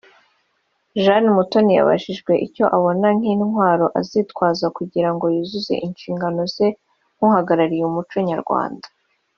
Jane Mutoni yabajijwe icyo abona nk’intwaro azitwaza kugirango yuzuze inshingano ze nk’uhagarariye umuco nyarwanda